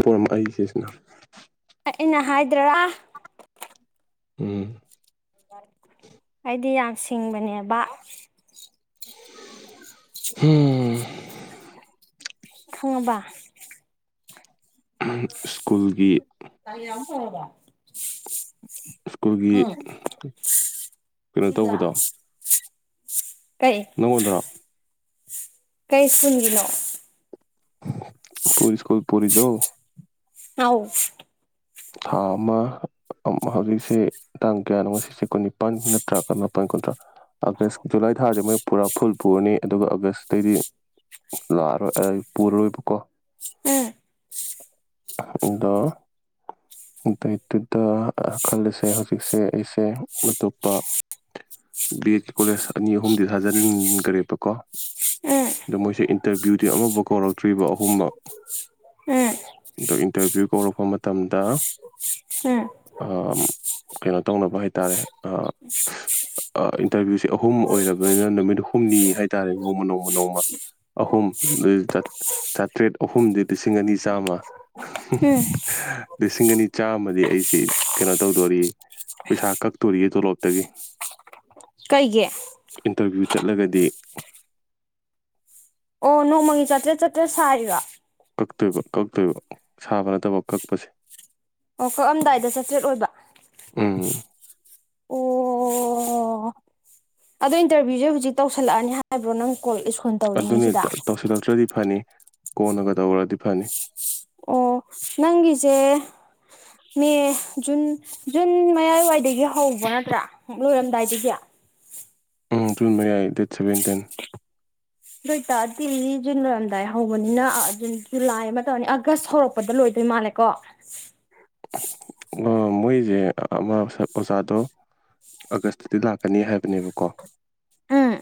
ꯄꯃꯛ ꯑꯩ ꯁꯤꯁꯤꯅ ꯑꯩꯅ ꯍꯥꯏꯗꯔꯥ ꯎꯝ ꯑꯩꯗꯤ ꯌꯥꯝ ꯁꯤꯡꯕꯅꯦꯕ ꯍꯝ ꯈꯪꯉꯕ ꯁ꯭ꯀꯨꯜꯒꯤ ꯀꯥꯔꯤꯌꯥ ꯑꯃꯨꯛ ꯇꯧꯔꯕꫭ ꯁ꯭ꯀꯨꯜꯒꯤ ꯀꯩꯅꯣ ꯇꯧꯕꯗꯣ ꯀꯩ ꯅꯪꯉꯣꯟꯗ꯭ꯔꯣ ꯀꯩ ꯁ꯭ꯀꯨꯜꯒꯤꯅꫭ ꯄꯨꯜ ꯏꯁ꯭ꯀꯨꯜ ꯄꯨꯔꯤꯗꯣ ꯉꯥꯎ ꯊꯥ ꯑꯃ ꯍꯧꯖꯤꯛꯁꯦ ꯇꯥꯡ ꯀꯌꯥꯅꯣ ꯉꯁꯤꯁꯦ ꯀꯨꯟꯅꯤꯄꯥꯟ ꯅꯠꯇ꯭ꯔꯒꯅ ꯇꯥꯡ ꯀꯨꯟꯊꯔ ꯑꯥꯒꯁ ꯖꯨꯂꯥꯏ ꯊꯥꯁꯦ ꯃꯣꯏ ꯄꯨꯔꯥ ꯐꯨꯜ ꯄꯨꯔꯅꯤ ꯑꯗꯨꯒ ꯑꯥꯒꯁꯇꯩꯩꯗꯤ ꯂꯥꯛꯑꯔꯣꯏ ꯑꯩ ꯄꯨꯔꯔꯣꯏꯕꯀꯣ ꯎꯝ ꯑꯗꯣ ꯑꯗꯨꯏꯗꯨꯨꯗ ꯈꯜꯂꯤꯁꯦ ꯍꯧꯖꯤꯛꯁꯦ ꯑꯩꯁꯦ ꯑꯇꯨꯞꯄ ꯕꯦꯠꯀꯤ ꯀꯣꯂꯦꯖ ꯑꯅꯤ ꯑꯍꯨꯝꯗꯤ ꯊꯥꯖꯤꯟꯈ꯭ꯔꯦꯕꯀꯣ ꯎꯝ ꯑꯗꯣ ꯃꯣꯏꯁꯦ ꯏꯟꯇꯔꯚ꯭ꯌꯨꯗꯤ ꯑꯃꯐꯥꯎ ꯀꯧꯔꯛꯇ꯭ꯔꯤꯕ ꯑꯍꯨꯝꯃꯨꯛ ꯎꯝ ꯑꯗꯣ ꯏꯟꯇꯔꯚ꯭ꯤꯌꯨ ꯀꯧꯔꯛꯄ ꯃꯇꯝꯗ ꯎꯝ ꯀꯩꯅꯣ ꯇꯧꯅꯕ ꯍꯥꯏꯇꯥꯔꯦ ꯏꯟꯇꯔꯚꯤꯌꯨꯁꯦ ꯑꯍꯨꯝ ꯑꯣꯏꯔꯕꯅꯤꯅ ꯅꯨꯃꯤꯠ ꯍꯨꯝꯅꯤ ꯍꯥꯏꯇꯥꯔꯦ ꯅꯣꯡꯃ ꯅꯣꯡꯃ ꯅꯣꯡꯃ ꯑꯍꯨꯝ [unintelligible] ꯆꯥꯇ꯭ꯔꯦꯠ ꯑꯍꯨꯝꯗꯤ ꯂꯤꯁꯤꯡ ꯑꯅꯤ ꯆꯥꯝꯃ ꯎꯝ ꯂꯤꯁꯤꯡ ꯑꯅꯤ ꯆꯥꯝꯃꯗꯤ ꯑꯩꯁꯤ ꯀꯩꯅꯣ ꯇꯧꯗꯣꯔꯤ ꯄꯩꯁꯥ ꯀꯛꯇꯣꯔꯤꯌꯦ ꯇꯣꯂꯣꯞꯇꯒꯤ ꯀꯩꯒꯤ ꯏꯟꯇꯔꯚ꯭ꯌꯨ ꯆꯠꯂꯒꯗꯤ ꯑꯣ ꯅꯣꯡꯃꯒꯤ ꯆꯥꯇ꯭ꯔꯦꯠ ꯆꯥꯇ꯭ꯔꯦꯠ ꯁꯥꯥꯏꯔꯤꯔꫭ ꯀꯛꯇꯣꯏꯕ ꯀꯛꯇꯣꯏꯕ ꯁꯥꯕ ꯅꯠꯇꯕ ꯀꯛꯄꯁꯦ ꯑꯣ ꯀꯛꯑꯥꯝꯗꯥꯏꯗ ꯆꯥꯇ꯭ꯔꯦꯠ ꯑꯣꯏꯕ ꯎꯝ ꯑꯣ ꯑꯗꯣ ꯏꯟꯔꯚ꯭ꯌꯨꯁꯦ ꯍꯧꯖꯤꯛ ꯇꯧꯁꯜꯂꯑꯅꯤ ꯍꯥꯏꯕ꯭ꯔꯣ ꯅꯪ ꯀꯣꯜ ꯏꯁ꯭ꯀꯨꯜ ꯑꯗꯨꯅꯤ ꯇꯧꯁꯤꯜꯂꯛꯇ꯭ꯔꯗꯤ ꯐꯅꯤ ꯀꯣꯟꯅꯒ ꯇꯧꯔꯗꯤ ꯐꯅꯤ ꯅꯪꯒꯤꯖꯦ ꯃꯦ ꯖꯨꯟ ꯖꯨꯟ ꯃꯌꯥꯏꯋꯥꯏꯗꯒꯤ ꯍꯧꯕ ꯅꯠꯇ꯭ꯔꯥ ꯂꯣꯏꯔꯝꯗꯥꯏꯗꯒꯤ ꯎꯝ ꯖꯨꯟ ꯃꯌꯥꯏꯒꯤ ꯗꯦꯠ ꯁꯕꯦꯟꯇꯤꯟ ꯑꯗꯨ ꯑꯣꯏꯇꯥꯔꯗꯤ ꯖꯨꯟ ꯂꯣꯏꯔꯝꯗꯥꯏ ꯍꯧꯕꯅꯤꯅ ꯖꯨꯟ ꯖꯨꯂꯥꯏ ꯑꯃ ꯇꯧꯔꯅꯤ ꯑꯥꯒꯁ ꯍꯧꯔꯛ ꯄꯗ ꯂꯣꯏꯗꯣꯏ ꯃꯥꯜꯂꯦꯀꯣ ꯑꯣ ꯃꯣꯏꯁꯦ ꯑꯃꯥ ꯑꯣꯖꯥꯗꯣ ꯑꯥꯒꯁꯇꯗꯤ ꯂꯥꯛꯀꯅꯤ ꯍꯥꯏꯕꯅꯦꯕꯀꯣ ꯎꯝ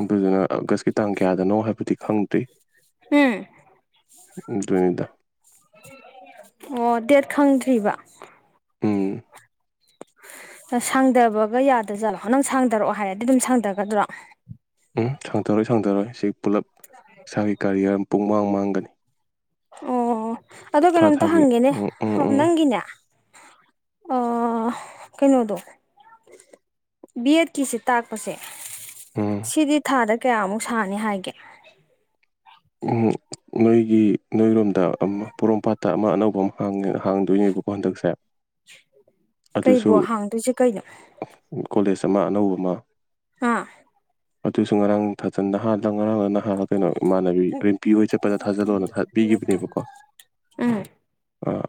ꯑꯗꯨꯗꯨꯅ ꯑꯥꯒꯁꯀꯤ ꯇꯥꯡ ꯀꯌꯥꯗꯅꯣ ꯍꯥꯏꯕꯗꯤ ꯈꯪꯗ꯭ꯔꯤ ꯍꯨꯝ ꯑꯗꯨꯅꯤꯗ ꯑꯣ ꯗꯦꯠ ꯈꯪꯗ꯭ꯔꯤꯕ ꯎꯝ ꯁꯥꯡꯗꯕꯒ ꯌꯥꯗ ꯖꯥꯠꯂꯣ ꯅꯪ ꯁꯥꯡꯗꯔꯛꯑꯣ ꯍꯥꯏꯔꯗꯤ ꯑꯗꯨꯝ ꯁꯥꯡꯊꯒꯗ꯭ꯔꯣ ꯎꯝ ꯁꯥꯡꯊꯔꯣꯏ ꯁꯥꯡꯊꯔꯣꯏ ꯁꯤ ꯄꯨꯜꯂꯞ ꯏꯁꯥꯒꯤ ꯀꯔꯤꯌꯔ ꯄꯨꯡ ꯃꯥꯡ ꯃꯥꯡꯒꯅꯤ ꯑꯣ ꯑꯗꯣ ꯊꯥ ꯀꯩꯅꯣꯝꯇ ꯊꯥꯒꯤ ꯍꯪꯒꯦꯅꯦ ꯎꯝ ꯎꯝ ꯎꯝ ꯅꯪꯒꯤꯅꯦ ꯑ ꯀꯩꯅꯣꯗꯣ ꯕꯦꯠ ꯀꯤꯁꯤ ꯇꯥꯛꯄꯁꯦ ꯎꯝ ꯁꯤꯗꯤ ꯊꯥꯗ ꯀꯌꯥꯃꯨꯛ ꯁꯥꯅꯤ ꯍꯥꯏꯒꯦ ꯎꯝ ꯅꯣꯏꯒꯤ ꯅꯣꯏꯔꯣꯝꯗ ꯑꯃ ꯄꯣꯔꯣꯝꯄꯥꯠꯇ ꯑꯃ ꯑꯅꯧꯕ ꯑꯃ ꯍꯥꯡꯗꯣꯏꯅꯦꯕꯀꯣ ꯍꯟꯗꯛꯁꯦ [unintelligible] ꯑꯗꯨꯁꯨ ꯀꯩꯕꯣ ꯍꯥꯡꯗꯣꯏꯁꯦ ꯀꯩꯅꯣ ꯀꯣꯂꯦꯖ ꯑꯃ ꯑꯅꯧꯕ ꯑꯃ ꯑꯥ ꯑꯗꯨꯁꯨ ꯉꯔꯥꯡ ꯊꯥꯖꯟ ꯅꯍꯜꯂ ꯉꯔꯥꯡꯂ ꯅꯍꯥꯜꯂ ꯀꯩꯅꯣ ꯏꯃꯥꯟꯅꯕꯤ ꯏꯕꯦꯝꯄꯤ ꯍꯣꯏ ꯆꯠꯄꯗ ꯊꯥꯖꯜꯂꯣꯅ ꯊꯄꯤꯈꯤꯕꯅꯦꯕꯀꯣ ꯎꯝ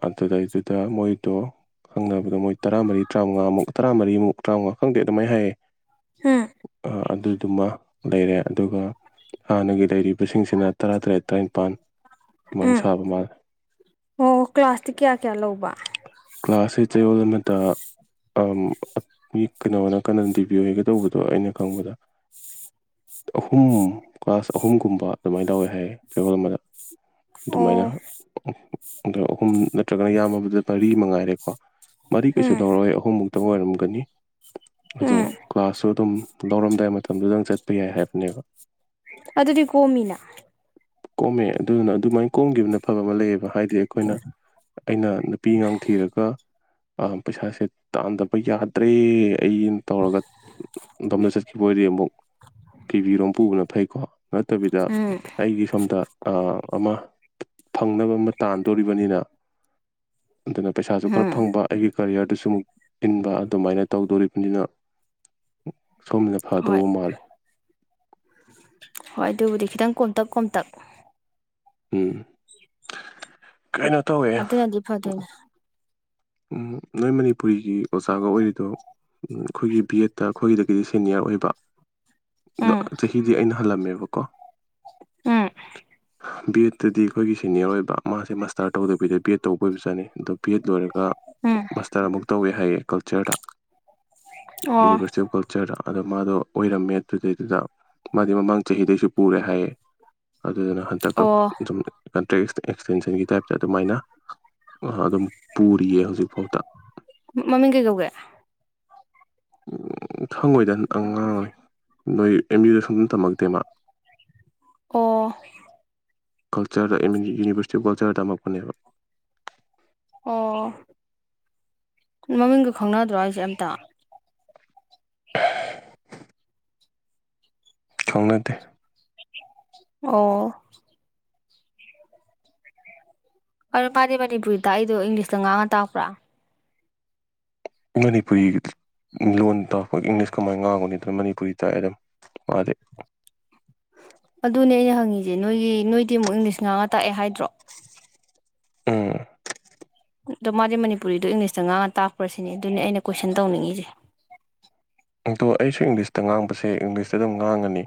ꯑꯗꯨꯗꯩꯗꯨꯗ ꯃꯣꯏꯗꯣ ꯈꯪꯅꯕꯗ ꯃꯣꯏ ꯇꯔꯥꯃꯔꯤ ꯇꯔꯥꯎꯉꯥꯃꯨꯛ ꯇꯔꯥꯃꯔꯤꯃꯨꯛ ꯇꯔꯥꯃꯉꯥ ꯈꯪꯗꯦ ꯑꯗꯨꯃꯥꯏꯅ ꯍꯥꯏꯌꯦ ꯎꯝ ꯑꯗꯨꯗꯨꯃ ꯂꯩꯔꯦ ꯑꯗꯨꯒ ꯍꯥꯟꯅꯒꯤ ꯂꯩꯔꯤꯕꯁꯤꯡꯁꯤꯅ ꯇꯔꯥꯇꯔꯦꯠ ꯇꯔꯥꯅꯤꯄꯥꯟ ꯁꯨꯃꯥꯏꯅ ꯎꯝ ꯁꯥꯕ ꯃꯥꯜꯂꯦ ꯑꯣ ꯀ꯭ꯂꯥꯁꯇꯤ ꯀꯌꯥ ꯀꯌꯥ ꯂꯧꯕ ꯀ꯭ꯂꯥꯁꯁꯤ ꯆꯌꯣꯜ ꯑꯃꯗ ꯃꯤ ꯀꯩꯅꯣꯅ ꯀꯟꯅ ꯇꯤꯕꯤꯌ ꯍꯥꯏꯒ ꯇꯧꯕꯗꯣ ꯑꯩꯅ ꯈꯪꯕꯗ ꯑꯍꯨꯝ ꯀ꯭ꯂꯥꯁ ꯑꯍꯨꯝꯒꯨꯝꯕ ꯑꯗꯨꯃꯥꯏꯅ ꯂꯧꯋꯦ ꯍꯥꯏ ꯆꯔꯣꯜ ꯑꯃꯗ ꯑꯣ ꯑꯗꯨꯃꯥꯏꯅ ꯑꯍꯨꯝ ꯅꯠꯇ꯭ꯔꯒꯅ ꯌꯥꯝꯃꯕꯗ ꯃꯔꯤ ꯃꯉꯥꯏꯔꯦꯀꯣ ꯃꯔꯤ ꯀꯩꯁꯨ ꯎꯝ ꯂꯧꯔꯣꯢ ꯑꯍꯨꯝꯃꯨꯛ ꯇ ꯑꯣꯏꯔꯝꯒꯅꯤ ꯑꯗꯣ ꯎꯝ ꯀ꯭ꯂꯥꯁꯁꯨ ꯑꯗꯨꯝ ꯂꯧꯔꯝꯗꯥꯏ ꯃꯇꯝꯗꯨꯗꯪ ꯆꯠꯄ ꯌꯥꯏ ꯍꯥꯏꯕꯅꯦꯕ ꯑꯗꯨꯗꯤ ꯀꯣꯃꯤꯅ ꯀꯣꯝꯃꯦ ꯑꯗꯨꯗꯨꯅ ꯑꯗꯨꯃꯥꯏꯅ ꯀꯣꯝꯒꯤꯕꯅ ꯐꯕ ꯑꯃ ꯂꯩꯌꯦꯕ ꯍꯥꯏꯗꯤ ꯑꯩꯈꯣꯏꯅ ꯑꯩꯅ ꯅꯨꯄꯤ ꯉꯥꯡꯊꯤꯔꯒ ꯄꯩꯁꯥꯁꯦ ꯇꯥꯟꯗꯕ ꯌꯥꯗ꯭ꯔꯦ ꯑꯩꯅ ꯇꯧꯔꯒ ꯑꯗꯣꯝꯗ ꯆꯠꯈꯤꯕ ꯑꯣꯏꯗꯤ ꯑꯃꯨꯛ ꯀꯩꯕꯤꯔꯣꯝ ꯄꯨꯕꯅ ꯐꯩꯀꯣ ꯅꯠꯇꯕꯤꯗ ꯎꯝ ꯑꯩꯒꯤ ꯁꯣꯝꯗ ꯑꯃ ꯐꯪꯅꯕ ꯑꯃ ꯇꯥꯟꯗꯣꯔꯤꯕꯅꯤꯅ ꯑꯗꯨꯅ ꯄꯩꯁꯥꯁꯨ ꯈꯔ ꯎꯝ ꯐꯪꯕ ꯑꯩꯒꯤ ꯀꯔꯤꯌꯔꯗꯁꯨ ꯑꯃꯨꯛ ꯏꯟꯕ ꯑꯗꯨꯃꯥꯏꯅ ꯇꯧꯗꯣꯔꯤꯕꯅꯤꯅ ꯁꯣꯝꯅ ꯍꯣꯏ ꯐꯗꯧꯕ ꯃꯥꯜꯂꯦ ꯍꯣꯏ ꯑꯗꯨꯕꯨꯗꯤ ꯈꯤꯇꯪ ꯀꯣꯝꯇꯛ ꯀꯣꯝꯇꯛ ꯎꯝ ꯀꯩꯅꯣ ꯇꯧꯋꯦ ꯑꯗꯨꯅꯗꯤ ꯐꯗꯣꯢꯅꯤ ꯎꯝ ꯅꯣꯏ ꯃꯅꯤꯄꯨꯔꯤꯒꯤ ꯑꯣꯖꯥꯒ ꯑꯣꯏꯔꯤꯗꯣ ꯑꯈꯣꯏꯒꯤ ꯕꯤ ꯑꯦꯠꯇ ꯑꯈꯣꯏꯒꯤꯗꯒꯤꯗꯤ ꯁꯦꯅꯤꯌꯔ ꯑꯣꯏꯕ ꯑꯗꯣ ꯎꯝ ꯆꯍꯤꯗꯤ ꯑꯩꯅ ꯍꯜꯂꯝꯃꯦꯕꯀꯣ ꯎꯝ ꯕꯤ ꯑꯦꯗꯇꯗꯤ ꯑꯩꯈꯣꯏꯒꯤ ꯁꯦꯅꯤꯌꯔ ꯑꯣꯏꯕ ꯃꯥꯁꯦ ꯃꯥꯁꯇꯔ ꯇꯧꯗꯕꯤꯗ ꯕꯤ ꯑꯦꯗ ꯇꯧꯕ ꯑꯣꯏꯕ ꯖꯥꯅꯤ ꯑꯗꯣ ꯕꯤ ꯑꯦꯗ ꯂꯣꯏꯔꯒ ꯎꯝ ꯃꯥꯁꯇꯔ ꯑꯃꯨꯛ ꯇꯧꯋꯦ ꯍꯥꯏꯌꯦ ꯀꯜꯆꯔꯗ ꯑꯣ ꯌꯨꯅꯤꯚꯔꯁꯤꯇꯤ ꯑꯣꯐ ꯀꯜ ꯆꯔꯗ ꯑꯗꯣ ꯃꯥꯗꯣ ꯑꯣꯏꯔꯝꯃꯦ ꯑꯗꯨꯗꯩꯗꯨꯗ ꯃꯥꯗꯤ ꯃꯃꯥꯡ ꯆꯍꯤꯗꯩꯁꯨ ꯄꯨꯔꯦ ꯍꯥꯏꯌꯦ ꯑꯗꯨꯗꯨꯅ ꯍꯟꯗꯛꯀ ꯑꯣ ꯑꯗꯨꯝ ꯀꯟꯇ꯭ꯔꯦꯛ ꯑꯦꯛꯁꯇꯦꯟꯁꯟꯒꯤ ꯇꯥꯏꯞꯇ ꯑꯗꯨꯃꯥꯏꯅ ꯑꯗꯨꯝ ꯄꯨꯔꯤꯌꯦ ꯍꯧꯖꯤꯛꯐꯥꯎꯗ ꯃꯃꯤꯡ ꯀꯩꯀꯧꯒꯦ ꯈꯪꯉꯣꯏꯗ ꯑꯉꯥꯡꯉꯣꯏ ꯅꯣꯏ ꯑꯦꯝ ꯌꯨꯗ ꯁꯨꯝ ꯇꯝꯃꯛꯇꯦ ꯃꯥ ꯑꯣ ꯀꯜꯆꯔꯗ ꯏꯟ ꯌꯨꯅꯤꯕꯔꯁꯤꯇꯤ ꯑꯣꯐ ꯀꯜꯆꯔꯗ ꯇꯝꯃꯛꯄꯅꯦꯕ ꯑꯣ ꯃꯃꯤꯡꯒ ꯈꯪꯅꯗ꯭ꯔꯣ ꯍꯥꯢꯁꯦ ꯑꯝꯇ [unintelligible] ꯈꯪꯅꯗꯦ ꯑꯣ ꯑ ꯃꯥꯗꯤ ꯃꯅꯤꯄꯨꯔꯤꯗ ꯑꯩꯗꯣ ꯏꯪꯂꯤꯁꯇ ꯉꯥꯡꯉ ꯇꯥꯛꯄ꯭ꯔꯥ ꯃꯅꯤꯄꯨꯔꯤꯒꯤꯗꯤ ꯂꯣꯟ ꯇꯥꯛꯄ ꯏꯪꯂꯤꯁ ꯀꯃꯥꯏꯅ ꯉꯥꯡꯒꯅꯤ ꯑꯗꯨꯅ ꯃꯅꯤꯄꯨꯔꯤ ꯇꯥꯛꯑꯦ ꯑꯗꯨꯝ ꯃꯥꯗꯤ ꯑꯗꯨꯅꯦ ꯑꯩꯅ ꯍꯪꯉꯤꯁꯦ ꯅꯣꯏꯒꯤ ꯅꯣꯏꯗꯤ ꯑꯃꯨꯛ ꯏꯪꯂꯤꯁ ꯉꯥ ꯇꯥꯛꯑꯦ ꯍꯥꯏꯗ꯭ꯔꯣ ꯎꯝ ꯑꯗꯣ ꯃꯥꯗꯤ ꯃꯅꯤꯄꯨꯔꯤꯗꯣ ꯏꯪꯂꯤꯁꯇ ꯉꯥꯡꯉ ꯇꯥꯛꯄ꯭ꯔꯁꯤꯅꯦ ꯑꯗꯨꯅꯤ ꯑꯩꯅ ꯀꯣꯏꯁꯟ ꯇꯧꯅꯤꯡꯉꯤꯖꯦ ꯑꯪꯇꯣ ꯑꯩꯁꯨ ꯏꯪꯂꯤꯁꯇ ꯉꯥꯡꯕꯁꯦ ꯏꯪꯂꯤꯁꯇ ꯑꯗꯨꯝ ꯉꯥꯡꯉꯅꯤ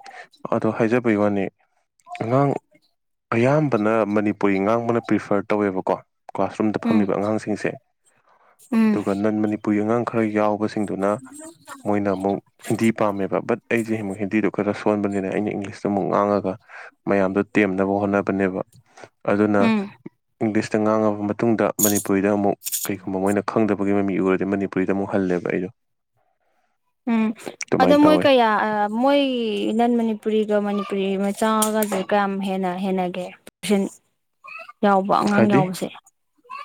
ꯑꯗꯣ ꯍꯥꯏꯖꯕꯩ ꯋꯥꯅꯦ ꯑꯉꯥꯡ ꯑꯌꯥꯝꯕꯅ ꯃꯅꯤꯄꯨꯔꯤ ꯉꯥꯡꯕꯅ ꯄ꯭ꯔꯤꯐꯔ ꯇꯧꯋꯦꯕꯀꯣ ꯀ꯭ꯂꯥꯁꯔꯨꯝꯗ ꯎꯝ ꯐꯝꯃꯤꯕ ꯑꯉꯥꯡꯁꯤꯡꯁꯦ ꯎꯝ ꯑꯗꯨꯒ ꯅꯟ ꯃꯅꯤꯄꯨꯔꯤ ꯑꯉꯥꯡ ꯈꯔ ꯌꯥꯎꯕꯁꯤꯡꯗꯨꯅ ꯄꯨꯖꯧ ꯃꯣꯏꯅ ꯑꯃꯨꯛ ꯍꯤꯟꯗꯤ ꯄꯥꯝꯃꯦꯕ ꯕꯠ ꯑꯩꯗꯤ ꯍꯤꯟ ꯍꯤꯟꯗꯤꯗꯨ ꯈꯔ ꯁꯣꯟꯕꯅꯤꯅ ꯑꯩꯅ ꯏꯪꯂꯤꯁꯇꯨ ꯑꯃꯨꯛ ꯉꯥꯡꯉꯒ ꯃꯌꯥꯝꯗꯣ ꯇꯦꯝꯅꯕ ꯍꯣꯠꯅꯕꯅꯦꯕ ꯑꯗꯨꯅ ꯎꯝ ꯏꯪꯂꯤꯁꯇ ꯉꯥꯡꯉꯕ ꯃꯇꯨꯡꯗ ꯃꯅꯤꯄꯨꯔꯤꯗ ꯑꯃꯨꯛ ꯀꯩꯒꯨꯝꯕ ꯃꯣꯏꯅ ꯈꯪꯗꯕ ꯒꯤ ꯃꯃꯤ ꯎꯔꯗꯤ ꯃꯅꯤꯄꯔꯤꯗ ꯑꯃꯨꯛ ꯍꯜꯂꯦꯕ ꯑꯩꯗꯣ ꯎꯝ ꯑꯗꯣ ꯑꯗꯨꯃꯥꯏꯅ ꯃꯣꯏ ꯇꯧꯋꯦ ꯀꯌꯥ ꯃꯣꯏ ꯅꯟ ꯃꯅꯤꯄꯨꯔꯤꯒ ꯃꯅꯤꯄꯨꯔꯤ ꯃꯆꯥꯒꯁ ꯀꯌꯥꯝ ꯍꯦꯟꯅ ꯍꯦꯟꯅꯒꯦ ꯇꯁꯦꯟ ꯌꯥꯎꯕ ꯑꯉꯥꯡ ꯍꯥꯏꯗꯤ ꯌꯥꯎꯕꯁꯦ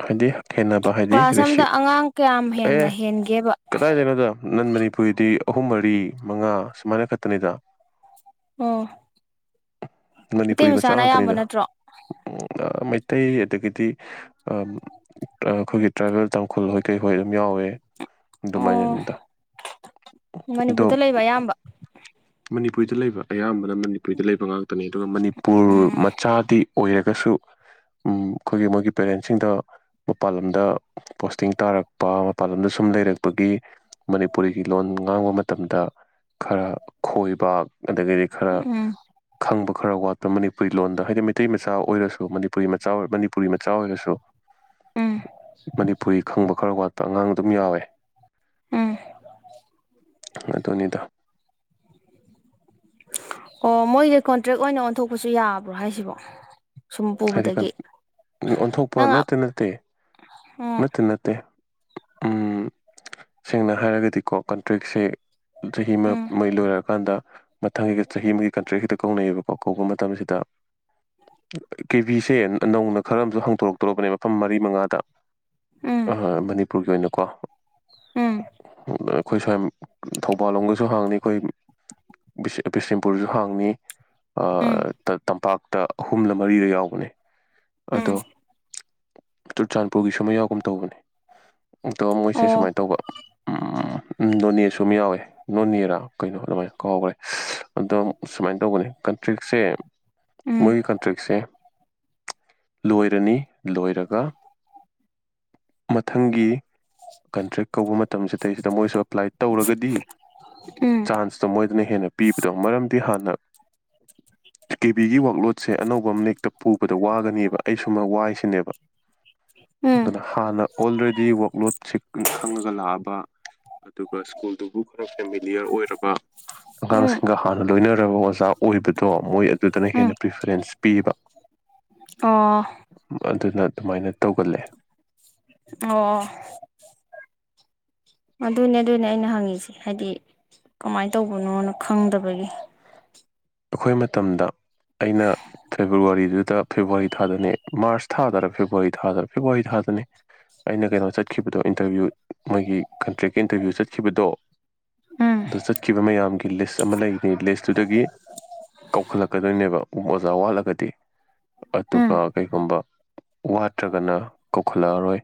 ꯍꯥꯏꯗꯤ ꯈꯦꯅꯕ ꯍꯥꯏꯗꯤ ꯀ꯭ꯂꯥꯁ ꯑꯝꯗ ꯔꯤꯁꯤꯞ ꯑꯉꯥꯡ ꯀꯌꯥꯝ ꯑꯦ ꯍꯦꯟꯅ ꯍꯦꯟꯒꯦꯕ ꯀꯗꯥꯏꯗꯅꯗꯣ ꯅꯟ ꯃꯅꯤꯄꯨꯔ ꯑꯩꯈꯣꯏꯗꯤ ꯑꯍꯨꯝ ꯃꯔꯤ ꯃꯉꯥ ꯁꯨꯃꯥꯏꯅ ꯈꯛꯇꯅꯤꯗ ꯎꯝ ꯃꯅꯤꯄꯨꯔꯤ ꯃꯆꯥ ꯑꯌꯥꯝꯕ ꯉꯥꯛꯇꯅꯤꯗ ꯅꯠꯇ꯭ꯔꯣ ꯃꯩꯇꯩ ꯑꯗꯒꯤꯗꯤ ꯑꯩꯈꯣꯏꯒꯤ ꯇ꯭ꯔꯥꯏꯕꯦꯜ ꯇꯥꯡꯈꯨꯜ ꯍꯣꯏ ꯀꯩ ꯍꯣꯏ ꯑꯗꯨꯝ ꯌꯥꯎꯏꯦ ꯑꯣ ꯑꯗꯨꯃꯥꯏꯅꯗ ꯑꯗꯣ ꯃꯅꯤꯄꯨꯔꯗ ꯂꯩꯕ ꯑꯌꯥꯝꯕ ꯃꯅꯤꯄꯨꯔꯤꯗ ꯂꯩꯕ ꯑꯌꯥꯝꯕꯅ ꯃꯅꯤꯄꯨꯔꯤꯗ ꯂꯩꯕ ꯉꯥꯛꯇꯅꯦ ꯑꯗꯨꯒ ꯃꯅꯤꯄꯨꯔ ꯎꯝ ꯃꯆꯥꯗꯤ ꯑꯣꯏ ꯑꯗꯨꯁꯨ ꯑꯝ ꯑꯈꯣꯏꯒꯤ ꯃꯣꯏꯒꯤ ꯄꯦꯔꯦꯟꯁꯤꯡꯗ ꯃꯄꯥꯜꯂꯝꯗ ꯄꯣꯁꯇꯤꯡ ꯇꯥꯔꯛꯄ ꯃꯄꯥꯟ ꯂꯝꯣꯝꯗ ꯁꯨꯝ ꯂꯩꯔꯛꯄꯒꯤ ꯃꯅꯤꯄꯨꯔꯤꯒꯤ ꯂꯣꯟ ꯉꯥꯡꯕ ꯃꯇꯝꯗ ꯈꯔ ꯈꯣꯏꯕꯥꯛ ꯑꯗꯒꯤꯗꯤ ꯈꯔ ꯎꯝ ꯈꯪꯕ ꯈꯔ ꯋꯥꯠꯄ ꯃꯅꯤꯄꯨꯔꯤ ꯂꯣꯟꯗ ꯍꯥꯏꯗꯤ ꯃꯩꯇꯩ ꯃꯆꯥ ꯑꯣꯏꯔꯁꯨ ꯃꯅꯤꯄꯨꯔꯤ ꯃꯆꯥ ꯑꯣꯏꯕ ꯃꯅꯤꯞ ꯄꯨꯔꯤ ꯃꯆꯥ ꯑꯣꯏꯔꯁꯨ ꯎꯝ ꯃꯅꯤꯄꯨꯔꯤ ꯈꯪꯕ ꯈꯔ ꯋꯥꯠꯄ ꯑꯉꯥꯡ ꯑꯗꯨꯝ ꯌꯥꯎꯋꯦ ꯎꯝ ꯑꯗꯨꯅꯤꯗ ꯑꯣ ꯃꯣꯏꯌꯦ ꯀꯣꯟꯇ꯭ꯔꯦꯛ ꯑꯣꯏꯅ ꯑꯣꯟꯊꯣꯛꯄꯁꯨ ꯌꯥꯕ꯭ꯔꯣ ꯍꯥꯏꯁꯤꯕꯣ ꯁꯨꯝ ꯍꯥꯏꯗꯤ ꯀꯟ ꯄꯨꯕꯗꯒꯤ ꯑꯣꯟꯊꯣꯛꯄ ꯅꯪ ꯅꯠꯇ ꯅꯠꯇꯦ ꯎꯝ ꯅꯠꯇꯦ ꯅꯠꯇꯦ ꯑꯝ ꯁꯦꯡꯅ ꯍꯥꯏꯔꯒꯗꯤꯀꯣ ꯀꯟꯇ꯭ꯔꯦꯛꯁꯦ ꯆꯍꯤ ꯃ ꯎꯝ ꯃꯩ ꯂꯣꯏꯔꯑꯀꯥꯟꯗ ꯃꯊꯪꯒꯤꯒ ꯆꯍꯤ ꯑꯃꯒꯤ ꯀꯟꯇ꯭ꯔꯦꯛ ꯍꯤꯇ ꯀꯧꯅꯩꯌꯦꯕꯀꯣ ꯀꯧꯕ ꯃꯇꯝꯁꯤꯗ ꯀꯦꯕꯤꯁꯦ ꯅꯧꯅ ꯈꯔꯑꯝꯁꯨ ꯍꯥꯡꯗꯣꯔꯛꯇꯣꯔꯕꯅꯦ ꯐꯝ ꯃꯔꯤ ꯃꯉꯥꯗ ꯎꯝ ꯑ ꯃꯅꯤꯄꯨꯔꯒꯤ ꯑꯣꯏꯅꯀꯣ ꯎꯝ ꯑ ꯑꯈꯣꯏ ꯁ꯭ꯋꯥꯏꯝ ꯊꯧꯕꯥꯜ ꯂꯣꯝꯒꯁꯨ ꯍꯥꯡꯅꯤ ꯑꯩꯈꯣꯏ ꯕꯤꯁꯦ ꯕꯤꯁꯦꯝꯄꯨꯔꯖꯨ ꯍꯥꯡꯅꯤ ꯑ ꯎꯝ ꯇ ꯇꯝꯄꯥꯛꯇ ꯑꯍꯨꯝꯂ ꯃꯔꯤꯔ ꯌꯥꯎꯕꯅꯤ ꯎꯝ ꯑꯗꯣ ꯆꯨꯔꯆꯥꯟꯄꯨꯒꯤꯁꯨꯃ ꯌꯥꯎꯒꯨꯝ ꯇꯧꯕꯅꯦ ꯑꯗꯣ ꯃꯣꯏꯁꯦ ꯑꯣ ꯁꯨꯃꯥꯏ ꯇꯧꯕ ꯎꯝ ꯑꯝ ꯅꯣꯅꯦꯁꯨ ꯑꯃ ꯌꯥꯎꯋꯦ ꯅꯣꯅꯦꯔꯥ ꯀꯩꯅꯣ ꯑꯗꯨꯃꯥꯏꯟ ꯀꯥꯎꯒꯔꯦ ꯑꯗꯣ ꯁꯨꯃꯥꯏꯟ ꯇꯧꯕꯅꯤ ꯀꯟꯇ꯭ꯔꯤꯛꯁꯦ ꯎꯝ ꯃꯣꯏꯒꯤ ꯀꯟ ꯂꯣꯏꯔꯅꯤ ꯂꯣꯏꯔꯒ ꯃꯊꯪꯒꯤ ꯀꯟꯇ꯭ꯔꯦꯛ ꯀꯧꯕ ꯃꯇꯝꯁꯤꯗꯩꯁꯤꯗ ꯃꯣꯏꯁꯨ ꯑꯦꯄ꯭ꯂꯥꯏ ꯇꯧꯔꯒꯗꯤ ꯎꯝ ꯆꯥꯟꯁꯇꯣ ꯃꯣꯏꯗꯅ ꯍꯦꯟꯅ ꯄꯤꯕꯗꯣ ꯃꯔꯝꯗꯤ ꯍꯥꯟꯅ ꯀꯦꯕꯤꯒꯤ ꯋꯥꯛꯂꯨꯠ ꯁꯦ ꯑꯅꯧꯕ ꯑꯃꯅꯦꯛꯇ ꯄꯨꯕꯗ ꯋꯥꯒꯅꯦꯕ ꯑꯩ ꯁꯃ ꯋꯥꯏꯁꯤꯅꯦꯕ ꯎꯝ ꯑꯗ ꯍꯥꯟꯅ ꯑꯣꯜꯔꯦꯗꯤ ꯋꯥꯛꯂꯣꯠꯁꯤ ꯈꯪꯉꯒ ꯂꯥꯛꯑꯕ ꯑꯗꯨꯒ ꯁ꯭ꯀꯨꯜꯗꯨꯕꯨ ꯈꯔ ꯐꯦꯃꯤꯂꯤꯌꯔ ꯑꯣꯏꯔꯕ ꯎꯝ ꯑꯉꯥꯡꯁꯤꯡꯒ ꯍꯥꯟꯅ ꯂꯣꯏꯅꯔꯕ ꯑꯣꯖꯥ ꯑꯣꯏꯕꯗꯣ ꯃꯣꯏ ꯑꯗꯨꯗꯅ ꯍꯦꯟꯅ ꯄ꯭ꯔꯤꯐꯔꯦꯟꯁ ꯄꯤꯕ ꯑ ꯑꯗꯨꯅ ꯑꯗꯨꯃꯥꯏꯅ ꯇꯧꯒꯜꯂꯦ ꯑꯣ ꯑꯗꯨꯅꯦ ꯑꯗꯨꯅꯦ ꯑꯩꯅ ꯍꯪꯉꯤꯁꯦ ꯍꯥꯏꯗꯤ ꯀꯃꯥꯏꯅ ꯇꯧꯕꯅꯣꯅ ꯈꯪꯗꯕꯒꯤ ꯑꯩꯈꯣꯏ ꯃꯇꯝꯗ ꯑꯩꯅ ꯐꯦꯕꯋꯥꯔꯤꯗꯨꯗ ꯐꯦꯕꯋꯥꯔꯤ ꯊꯥꯗꯅꯤ ꯃꯥꯔꯁ ꯊꯥꯗꯔ ꯐꯦꯕꯋꯥꯔꯤ ꯊꯥꯗꯔ ꯐꯦꯕꯋꯥꯔꯤ ꯊꯥꯗꯅꯤ ꯑꯩꯅ ꯀꯩꯅꯣ ꯆꯠꯈꯤꯕꯗꯣ ꯏꯟꯇꯔꯚ꯭ꯌꯨ ꯃꯣꯏꯒꯤ ꯀꯟꯇ꯭ꯔꯦꯛꯀꯤ ꯏꯟꯇꯔꯚ꯭ꯌꯨ ꯆꯠꯈꯤꯕꯗꯣ ꯎꯝ ꯑꯗꯨ ꯆꯠꯈꯤꯕ ꯃꯌꯥꯝꯒꯤ ꯂꯤꯁ ꯑꯃ ꯂꯩꯕꯅꯤ ꯂꯤꯁꯇꯨꯗꯒꯤ ꯀꯧꯈꯠꯂꯛꯀꯗꯣꯏꯅꯦꯕ ꯑꯣꯖꯥ ꯋꯥꯂꯒꯗꯤ ꯑꯗꯨꯒ ꯎꯝ ꯀꯩꯒꯨꯝꯕ ꯋꯥꯠꯇ꯭ꯔꯒꯅ ꯀꯧꯈꯠꯂꯛꯑꯔꯣꯏ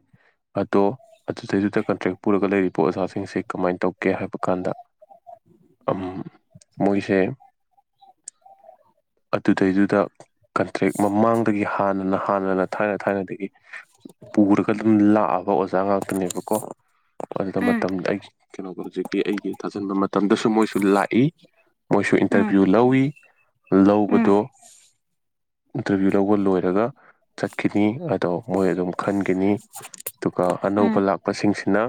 ꯑꯗꯣ ꯑꯗꯨꯗꯩꯗꯨꯗ ꯀꯟꯇ꯭ꯔꯦꯛ ꯄꯨꯔꯒ ꯂꯩꯔꯤꯕ ꯑꯣꯖꯥꯁꯤꯡꯁꯤ ꯀꯃꯥꯏꯟ ꯇꯧꯒꯦ ꯍꯥꯏꯕ ꯀꯥꯟꯗ ꯑꯝ ꯃꯣꯏꯁꯦ ꯑꯗꯨꯗꯩꯗꯨꯗ ꯀꯟꯇ꯭ꯔꯦꯛ ꯃꯃꯥꯡꯗꯒꯤ ꯍꯥꯟꯅꯅ ꯍꯥꯟꯅꯅ ꯊꯥꯏꯅ ꯊꯥꯏꯅꯗꯒꯤ ꯄꯨꯔꯒ ꯑꯗꯨꯝ ꯂꯥꯛꯑꯕ ꯑꯣꯖꯥ ꯉꯥꯛꯇꯅꯦꯕꯀꯣ ꯑꯗꯨꯗ ꯎꯝ ꯃꯇꯝꯗ ꯑꯩ ꯀꯩꯅꯣꯒ ꯍꯨꯖꯤꯛꯀꯤ ꯑꯩꯒꯤ ꯊꯥꯖꯤꯟꯕ ꯃꯇꯝꯗꯁꯨ ꯃꯣꯏꯁꯨ ꯂꯥꯛꯏ ꯃꯣꯏꯁꯨ ꯎꯝ ꯏꯟꯇꯔꯚꯤꯌꯨ ꯂꯧꯋꯤ ꯎꯝ ꯂꯧꯕꯗꯣ ꯑꯗꯨꯒꯤ ꯂꯧꯕꯥ ꯂꯣꯌꯔꯥꯒꯥ ꯆꯠꯈꯤꯅꯤ ꯑꯗꯣ ꯃꯨ ꯑꯗꯨꯝ ꯈꯟꯒꯤꯅꯤ ꯑꯗꯨꯒ ꯑꯅꯧꯕ ꯎꯝ ꯂꯥꯛꯄꯁꯤꯡꯁꯤꯅ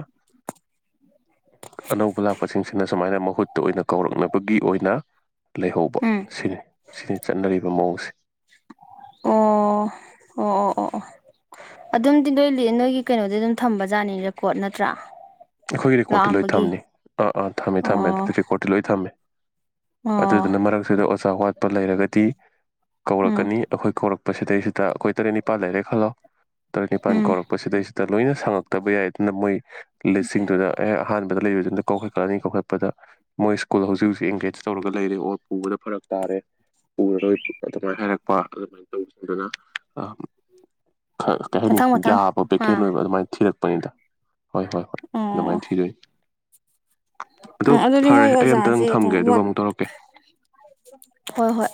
ꯑꯅꯧꯕ ꯂꯥꯛꯄꯁꯤꯡꯁꯤꯅ ꯁꯨꯃꯥꯏꯅ ꯃꯍꯨꯠꯇ ꯑꯣꯏꯅ ꯀꯧꯔꯛꯅꯕꯒꯤ ꯑꯣꯏꯅ ꯂꯩꯍꯧꯕ ꯎꯝ ꯁꯤꯅꯤ ꯁꯤꯅꯤ ꯆꯠꯅꯔꯤꯕ ꯃꯑꯣꯡꯁꯦ ꯑꯣ ꯑꯣ ꯑꯣ ꯑꯣ ꯑꯗꯨꯝꯗꯤ ꯅꯣꯏ ꯂꯤ ꯅꯣꯏꯒꯤ ꯀꯩꯅꯣꯗꯤ ꯑꯗꯨꯝ ꯊꯝꯕ ꯖꯥꯠꯅꯤ ꯔꯦꯀꯣꯠ ꯅꯠꯇ꯭ꯔꯥ ꯑꯩꯈꯣꯏꯒꯤ ꯔꯦꯀꯣꯔꯠꯇꯤ ꯂꯣꯏ ꯂꯥꯛꯑꯝꯕꯒꯤ ꯊꯝꯅꯤ ꯑꯥ ꯑꯥ ꯊꯝꯃꯦ ꯊꯝꯃꯦ ꯑꯣ ꯑꯗꯨꯗꯤ ꯔꯦꯀꯣꯔꯠꯇꯤ ꯂꯣꯏ ꯊꯝꯃꯦ ꯑꯣ ꯑꯗꯨꯗꯨꯅ ꯃꯔꯛꯁꯤꯗ ꯑꯣꯖꯥ ꯋꯥꯠꯄ ꯂꯩꯔꯒꯗꯤ ꯎꯝ ꯀꯧꯔꯛꯀꯅꯤ ꯑꯩꯈꯣꯏ ꯀꯧꯔꯛꯄ ꯁꯤꯗꯩꯁꯤꯗ ꯑꯩꯈꯣꯏ ꯇꯔꯦꯠ ꯅꯤꯄꯥꯜ ꯂꯩꯔꯦ ꯈꯜꯂꯣ ꯇꯔꯦꯠ ꯅꯤꯄꯥꯜ ꯎꯝ ꯀꯧꯔꯛꯄꯁꯤꯗꯩꯁꯤꯗ ꯂꯣꯏꯅ ꯁꯪꯉꯛꯇꯕ ꯌꯥꯏ ꯑꯗꯨꯅ ꯃꯣꯏ ꯂꯤꯁꯁꯤꯡꯗꯨꯗ ꯑꯦ ꯑꯍꯥꯟꯕꯗ ꯂꯩꯕꯁꯤꯡꯗ ꯀꯧꯈꯠꯂꯅꯤ ꯀꯧꯈꯠꯄꯗ ꯃꯣꯏ ꯁ꯭ꯀꯨꯜ ꯍꯧꯖꯤꯛ ꯍꯧꯖꯤꯛ ꯑꯦꯡꯒꯦꯖ ꯇꯧꯔꯒ ꯂꯩꯔꯦ ꯑꯣꯔ ꯄꯨꯕꯗ ꯐꯔꯛ ꯇꯥꯔꯦ ꯄꯨꯔꯔꯣꯏ ꯄꯨ ꯑꯗꯨꯃꯥꯏꯅ ꯍꯥꯏꯔꯛꯄ ꯑꯗꯨꯃꯥꯏꯅ ꯇꯧꯕꯁꯤꯡꯗꯨꯅ ꯀꯩ ꯍꯥꯏꯅꯤ ꯃꯊꯪ ꯃꯊꯪ ꯌꯥꯕ ꯕꯦꯀꯦꯟ ꯑꯥ ꯑꯣꯏꯕ ꯑꯗꯨꯃꯥꯏꯅ ꯊꯤꯔꯛꯄꯅꯤꯗ ꯍꯣꯏ ꯍꯣꯏ ꯍꯣꯏ ꯑꯣ ꯑꯣ ꯑꯗꯨꯃꯥꯏꯅ ꯊꯤꯖꯩ ꯎꯝ ꯑꯗꯨꯗꯤ ꯃꯣꯏ ꯑꯝꯇꯪ ꯑꯣꯖꯥꯁꯦ ꯑꯗꯨꯝ ꯊꯝꯒꯦ ꯑꯗꯨꯒ ꯋꯥꯠ ꯑꯃꯨꯛ ꯇꯧꯔꯛꯀꯦ ꯍꯣꯏ ꯍꯣꯏ